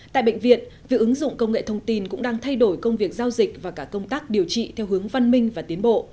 tại bệnh viện việc ứng dụng công nghệ thông tin cũng đang thay đổi công việc giao dịch và cả công tác điều trị theo hướng văn minh và tiến bộ